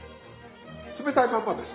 冷たいまんまです。